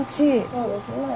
そうですね。